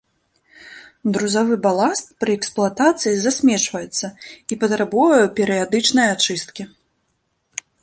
Друзавы баласт пры эксплуатацыі засмечваецца і патрабуе перыядычнай ачысткі.